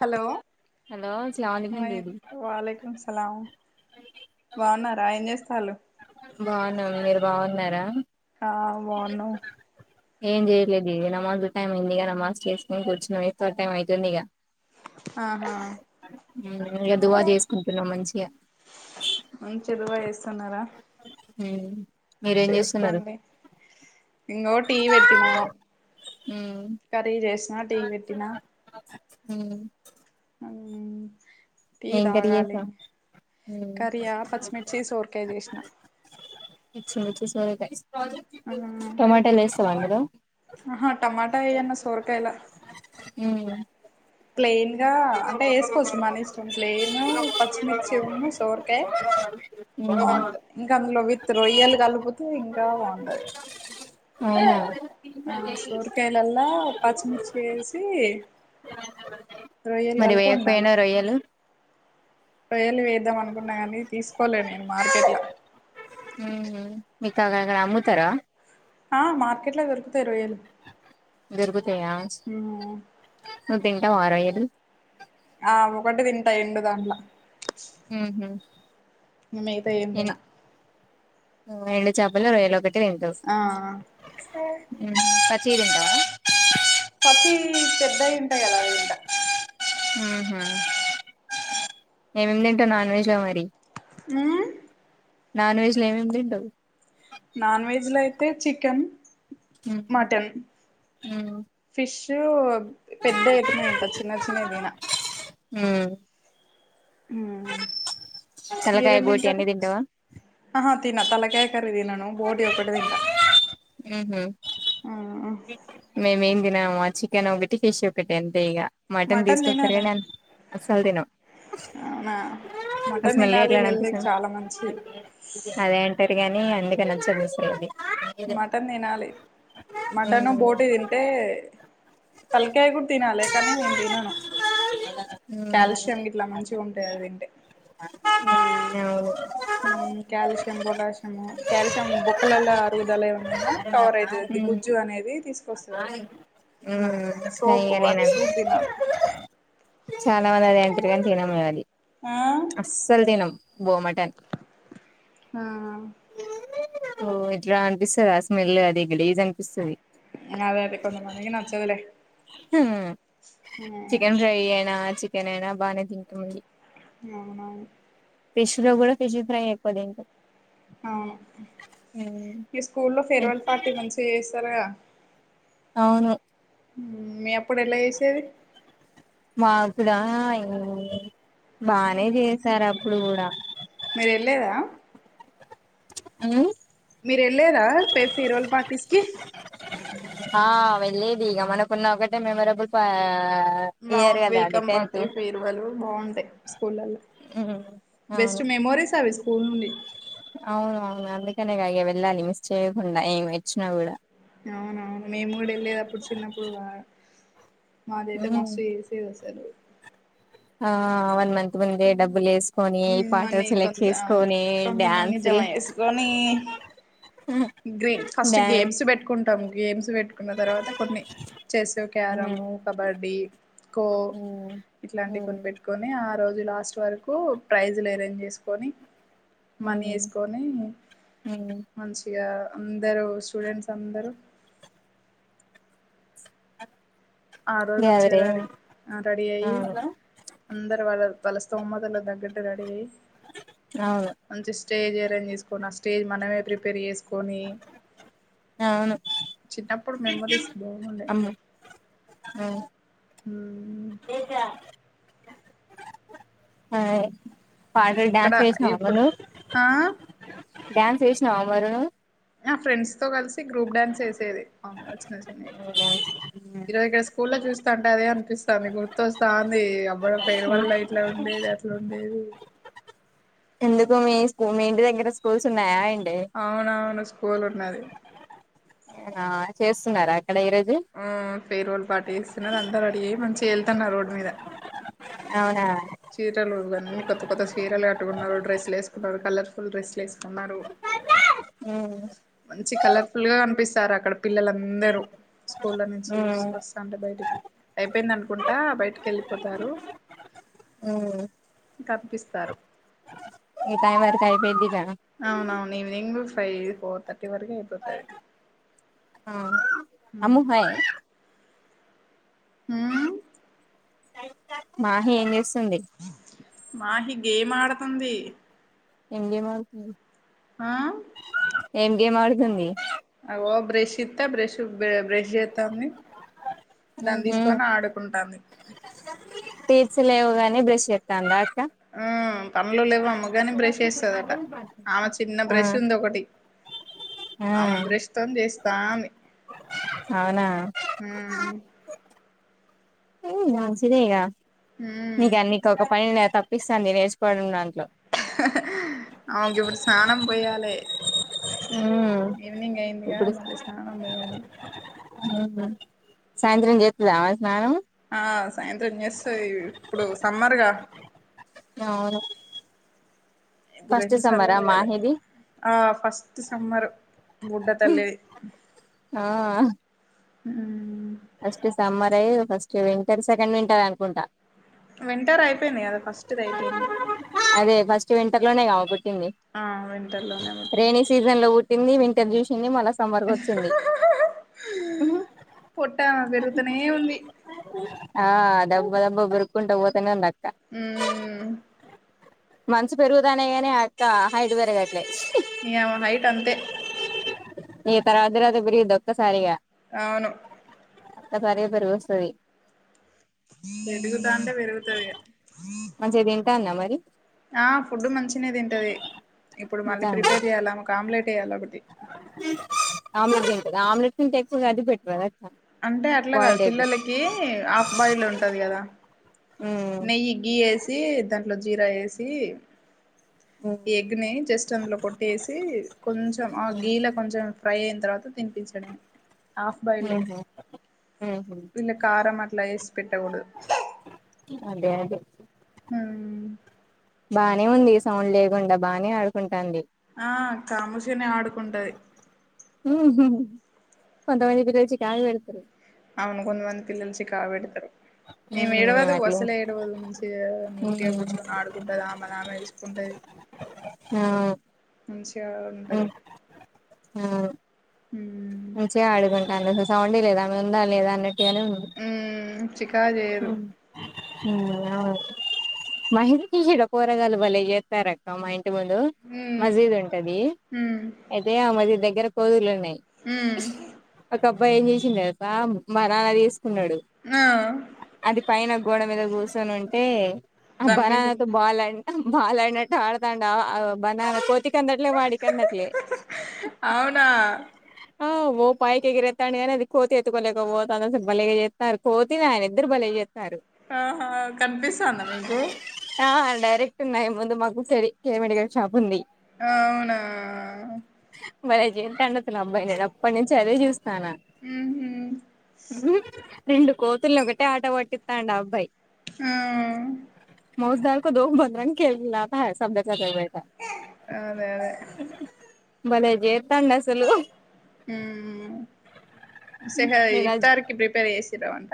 Hello hello అస్సలాముఅలైకుం బాగున్నారా ఏం చేస్తాలు బాగున్నా మీరు బాగున్నారా బాగునం ఏం చేయలేదు ఇది నమాజ్ టైం అయింది ఇక నమాస్జ్ చేసుకని కూర్చు [unintelligible] టైం అవుతుంది ఇక ఆహా ఇంకా దువా చేసుకుంటున్నాం మంచిగా తున్నారా ఊ చేసుకోండి ఇంగో టీ పెట్టినా ఉమ్ కర్రీ చేసినా టీ పెట్టినా ఊ మ్ టీ ఏం గరి తాగాలి జేసినవ్ ఊ కర్రీయా పచ్చిమిర్చి సోరకాయ చేసిన ఇచ్చిండిచేసి సొరకాయ్ టొమాటోలు వేస్తావా అందులో అహా టమాటా ఏయన్న సోర్కయలా ఊ ప్లెయిన్ గా అంటే వేసుకోవచ్చు మనీష్టం ప్లెయిను పచ్చిమిర్చి ఉన్న సోరకాయ బాగుంటుంది ఇంకా అందులో విత్ రొయ్యలు కలిపుతే ఇంకా బాగుంటది అవునా ఆ సోరకాయలలా పచ్చిమిర్చి వేసి మరి వేయకపోయినవ్ రొయ్యలు రొయలు వేద్దాం అనుకున్నా కానీ తీసుకోలే నేను మార్కెట్ లో మీ తాగా అక్కడ అమ్ముతర ఆ మార్కెట్ లో దొరుకుతాయి రోయలు గరిపోత్ తెయాన్ష్ నువ్ తింటవా రొయలు ఆ ఒకటి తింటా ఎండు దాంట్ల ఉహు మీత ఏందిన ఊ ఎండు చాపలు రొయలు ఒకట్ ట్రేన్ కస్ ఆ ఊ [unintelligible] స్వీటుంటదా పచ్చి పెద్దవి ఉంటాయి కదా అవి తింట ఉహు ఏమేం డింటున్నవ్ నాన్ వెజ్ లో మరి ఆ నాన్ వెజ్ లో ఏమేమ్ దింటవ్ నాన్ వెజ్ లో అయితే చికెన్ ఉమ్ మటన్ ఉమ్ ఫిష్ చూ పెద్ద ఐతనే తింటా చిన్న చిన్నయి దిన ఊ ఊ తలకాయ మీరేం బోటి అన్ని తింటారు తింటావా ఆహా తిన తలకాయ కరీదినను బోట్ ఇదొక్కటి దింట ఉహు మేమేం నిన్న ఏమో చికెన్ ఒకట్టి ఫిష్ ఒకటి ఎంతే ఇక మటన్ తీసుకొచ్చారు కాని అసల్ తినం అవునా కాస్తా మటన్ తినాలి మలేరియా లా హెల్తీకి అనిపిస్తుంది చాలా మంచిది అదే అంటారు గానీ నే అందుకే నచ్చదు అసలు అనేది [inaudible] మటన్ తినాలి ఉమ్ మటన్ బోటి తింటే తలకాయ కూడా తినాలి కానీ నేను తినను కాల్షియం ఇట్లా మంచిగా ఉంటాయి అవి తింటే ఉమ్ కాల్షియం పొటాషియం కాల్షియం బొక్కలలా ఉమ్ అనేది తీసుకొస్తుంది సోపు ఇగా వాటి నేనే సూప్ తినాలి చాలా మందిని అడిగాను చికెన్ తినము అని ఆ అస్సలు తినం బో మటన్ ఆ ఓ ఇట్లా అని స అ స్మెల్ అది గలీజ్ అనిపిస్తుంది అదే అదే కొంత మందికి నచ్చదులే ఉమ్ చికెన్ ఫ్రై అయినా చికెన్ అయినా బాగానే తింటమండి ఆవునా పిష్ లో కూడా పిష్ ఫ్రై ఎక్కు తింటాం ఆవును ఇష్ట స్కూల్ లో ఫేర్వెల్ పార్టీ మంచిగా చేస్తారు త్వరగ అవును మీ అప్పుడు ఎలా చేసేది మాకుడా బానే చేసారు అప్పుడు కూడా మీరు వెళ్ళెదా ఆమ్ మీరు వెళ్ళరా ఫేర్వెల్ పార్టీస్ కి ఆ వెళ్లేది ఇక మనకున్న ఒకటే మెమొరబుల్ బాగు వెల్కమ్ పార్టీ పేరే వెల్ బాగుంటాయి స్కూల్ల్లో బెస్ట్ మెమోరీస్ అవిస్త పూలండి అవున అవును అందుకనే కాగ వెళ్ళాలి మిస్ చేయకుండా ఏం వచ్చినా కూడా అవునవును మేము కూడా వెళ్ళేటప్పుడు చిన్నప్పుడు బాగా మాదైతే మస్తు చేసేది అసలు ఆ వన్ మంత్ ముందే డబ్బులు వేసు మనీ కొంత అవును కొంతమనీ జమ డ్యాన్సులు చేసుకని గ్రీన్ ఫస్ట్ డాన్ గేమ్స్ పెట్టుకుంట కుంటాం గేమ్స్ పెట్టుకున్న తరువాత కొన్ని చేస్, ఉమ్ క్యారమ్, కబడ్డి, కో ఇట్లంటివి కొని ఉమ్ పెట్టుకొని ఆ రోజు ఇది లాస్ట్ వరకు ప్రైజులు అరేంజ్ చేసుకొని మనీ ఉమ్ వేసుకొని ఉమ్ మంచిగా అందరూ స్టూడెంట్స్ అందరూ ఆ రోజు నుంచి గ్యాదరింగ్ రెడీ ఆ రెడీ అయ్యి అవును అందరు వాళ్ళ వాళ్ళ స్తోమతల తగ్గటు రెడీ అయ్యి అవు మంచి స్టేజ్ అరేంజ్ చేసుకున్న ఆ స్టేజ్ మనమే ప్రిపేర్ చేసు కొని అవును చిన్నప్పుడు మెమరీస్ బాగుండే అ హ్మ్మ్ ఆ కార్ లో అక్కడ డ్యాన్స్ చేసినవా ఇప్పుడు నువ్వు ఆ డ్యాన్స్ వేసినవా మరి నువ్వు నా ఫ్రెండ్స్తో కలిసి గ్రూప్ డ్యాన్స్ వేసేది అవును చిన్న చిన్నయ్ ఈరోజు స్కూల్ లో చూసి అంటే అదే అనిపిస్తాంది గుర్తొస్తాంది అబ్ ఫేర్వెల్ లా ఇట్లా ఉండేది అట్లా ఉండేది ఎందుకు మీ స్కూ మీ ఇంటి దగ్గర స్కూల్స్ ఉన్నాయా ఏంటి అవునవును పోలున్నది నేనా చేస్తున్నారా అక్కడ ఈరోజు ఆ ఫేర్వెల్ పాట వేస్తున్నారు అంత రెడీ అయి మంచిగా వెళ్తున్నరు రోడ్ మీద అవునా చీరలు అన్ని కొత్త కొత్త చీరలు కట్టుకున్నారు డ్రెస్సులు వేసుకున్నారు కలర్ఫుల్ డ్రెస్సులు వేసుకున్నారు. మంచి కలర్ఫుల్ గా అనిపిస్ చారాక్కడ పిల్లలందరూ స్కూళ్ళ నుంచి వస్తాంటే బయటికి అయిపోయింది అనుకుంటా బయటికి వెళ్ళిపోతారు. కనిపిస్తారు ఇ టైమ్ వరకు అయిపోద్దిగా అవునవును ఈవినింగ్ ఫైవ్ ఫోర్ థర్టీ వరకే అయిపోతది అమ్ము హా హ్మ్మ్ మాహీ ఎం చేస్ స్తుంది మాహి గేమ్ ఆడుతుంది ఏం గేమ్ ఆడుతుంది ఆ ఏం గేమ్ ఆడుతుంది అగో బ్రెష్ ఇత్తే బ్రెష్ బ్రెష్ జెత్తంది దాన్ని తీసుకొని ఆడుకుంటాంది టీత్స్లేవు గని బ్రష్ చేతంద హమ్ పనులు లేవు అమ్మగాని బ్రష్ చేస్తదట ఆమె చిన్న ఆ బ్రష్ ఉంది ఒకటి ఆ ఆమె బ్రష్ తోనీ చేస్తా అని అవునా హమ్ చెయ్ నీ మంచిదే గ ఉమ్ నీకు అన్నికి ఒక పని తప్పిస్తంది నేర్చుకోవడం అ ఆమెకు ఇప్పుడు స్నానం పోయాలే ఈవినింగ్ అయిందిగ ఇప్పుడు మళ్ళీ స్నానం పోయాలి సాయంత్రం జెత్తద అ స్నానం ఆస్ సాయంత్రం చేస్తది ఇప్పుడు సమ్మర్గ అవును ఇప్పుడు ఫస్ట్ రెడు సార్లు సమ్మరా పోయాలే మాహిది ఆ ఫస్ట్ సమ్మర్ బుడ్డ తల్లిది ఆ హమ్ ఫస్ట్ సమ్మర్ లేదు ఫస్ట్ వింటర్ సెకండ్ వింటర్ అనుకుంట వింటరు అయిపోయింది కదా ఫస్ట్ది అయిపోయింది వింటర్లోనే గ కా ఆ వింటర్ లోనే పుట్టింది రేనీ సీజన్ లో న్ని ఇంటర్జ్యూషన్ని మ వరకు వచ్చింది ట్ట పెరుగుతనే ఉంది ఆ డబ్బ బ్బ వురుకుంట పోతంగా నా హమ్ మంచు పెరుగుదానే కాగాని అక్క హైట్ పెరగట్లేదు ఇమే హైట్ అంతే ఈ తర్వాత [unintelligible] బి ఒక్కసారి గ అవును అ ఒక్కసారిగ పెరుగోస్తది పెరుగుతంటే పెరుగుతది ఇగ మంచి గ దిన్ తాంద మరి ఆ ఫుడ్ మంచినే తింటది ఇప్పుడు మళ్ళీ తింటాంది ప్రిపేర్ చెయ్యాల మాకు ఆమ్లెట్ చేయాలి ఒకటి ఆమ్లెట్ ఎంటదా ఆమ్లెట్స్ంత ఎకు అది పెట్ద అంటే అట్లా కాదు, పిల్లలకి హాఫ్ బాయిల్ ఉంటది కదా. ఉమ్ నెయ్యి గీ వేసి దాన్ని జీరా వేసి ఈ ఉమ్ ఎగ్ ని జస్ట్ అందులో కొట్టేసి కొంచెం ఆ గీలా కొంచెం ఫ్రై అయిన తర్వాత తినిపించడమే. హాఫ్ బాయిల్డ్ ఎగ్ ఉహు ఉహు దీనిలో కారమా అ పేస్ పెట్టకూడదు. అదే అదే బానే ఉంది సౌండ్ లేకుండా బానే ఆడుకుంటాంది. ఆ కామశనే ఆడుకుంటది. ఉహు కొంతమంది పిరల్చికి ఆగి వెడతురి అవును కొంతమంది పిలల్లు చికాకు పెడతారు. ఏమి మేము ఏడవదు. అట్లే అసలే ఏడవదు నుంచిగా నీట్గా ఉమ్ కూర్చొని ఆడుకుంటది. ఆమెదామె చూసుకుంటది. ఆ [inaudible] ఆ ఉంటది. ఆ హ మంచిగా ఆడుగుంటాంది అసలు సౌండే లేదామె ఉందా లేదా అన్నట్. ఏల చికా చేేయరు అవును మహిందకిషట పోరగాలు బలే చేస్తారక్క మహ ముందు ఉమ్ మజీద్ ఉంటది. ఉమ్ అయితే ఆ మజీద్ దగ్గర పోదులనే ఉమ్ అక అబ్బా ఏం చేసింది అబ్బా మన అలా తీసుకున్నాడు. ఆ అది పైన గోడ మీద కూర్చొని ఉంటే ఆ బరా దానికేసి అతు బాల్ అండి బాల్ ఆడినట్ట ఆడతాంటవ బననా కోతి కందట్లే వాడి కందట్లే అవునా ఆ ఓ పైకి ఎగిరేతండి అది కోతి ఏత్తు కొలేక పోతంది అసలు బలేగ చేత్తరు. కోతి ఆయన ఇద్దరు బలే చేస్తారు. ఆహా కనిపిస్తాందా మీకు ఆ డైరెక్ట్ ఉన్నాయి ముందు మాకు కె మెడికల్ షాప్ ఉంది. అవునా మజీంట అన్నతున్నా అమాయిను అప్ప నుంచి అదే చూస్త నాన ఉహు రెండు కోతులు ఒకటే ఆట పట్టితాండూ అబ్బాయి ఆ దో భద్రం గేలా [unintelligible] అదే అదే బలేజే హ్మ్ ఏసేహయ్ నేను అది ఇఫ్తార్ కి ప్రిపేర్ చేసి చ్చరవంట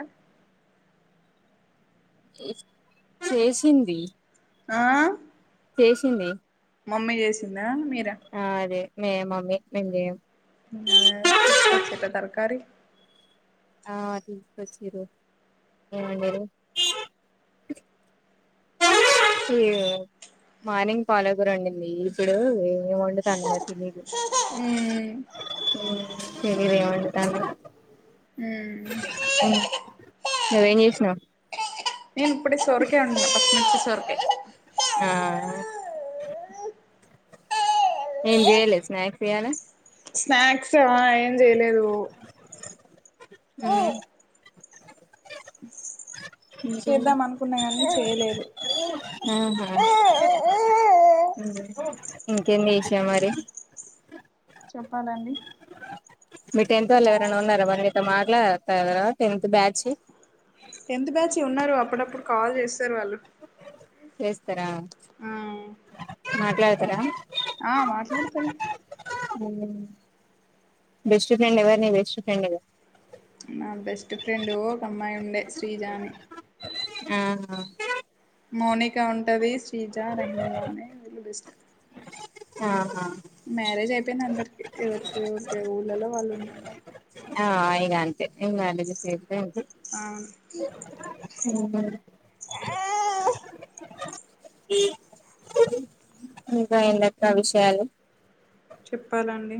చేసింది ఆ చేసింది మమ్మీ చేసింది [unintelligible] మీరా ఆ అదే మే మమ్మీ మేం చేయమ్ అద తీసుకొచ్చిరా తర్కారి ఆ తీసుకొచ్చిరు ఏం వండిరు ఈ మార్నింగ్ పాలగురా ఉండింది ఇప్పుడు ఏం వండు తాందో తెలియదు హ్మ్ శరిర్ ఏం అంటండు హ్మ్ నువ్వేం చేసినావు నేను ఇప్పుడు సొరకాయ్ వండినా పచ్చమిర్చి సొరకాయ్ ఆ ఏం చెయలే స్నాక్స్ ఇయాలా స్నాక్స్ ఏం చెయలేదు ఉమ్ ఇంకేమి చేద్దాం అనుకున్నా కానీ చేయలేదు హ్మ్ హు ఇంకేం చేసా మరి చెప్పాలండి మీ టెన్త్ వాళ్ళు ఉన్నారా వాళ్ళు నీతో మాట్లాడుతారా టెన్త్ బ్యాచ్ టెన్త్ బ్యాచ్ ఉన్నారు అప్పుడప్పుడు కాల్ చేస్తారు వాళ్ళు చేస్తరా మాట్లాడతారా ఆ మాట్లాడుతారు బెస్ట్ ఫ్రెండ్ ఎవరు ని బెస్ట్ ఫ్రెండ్ ఎవర్ నా బెస్ట్ ఫ్రెండ్ ఒక అమ్మాయి ఉండ శ్రీజా అని ఆహా మోనికా ఉంటది షీజ్జ రహమనన్నా పిలుస్తమ్ ఆహా మ్యారేజ్ అయిపోయింది. అందరికి ఎవరికి ఎవరీ ఊళ్ళలో వాళ్ళు ఉంటున్నారు ఆ ఇగాం తే [unintelligible] సెత్తే ఏంది ఇ [unintelligible] ఈ ఇంకా ఎందక్క విషయాలు చెప్పాలండి.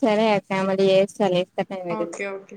సరే అక్క మల్లి చేస్తలే ఓకే ఓకే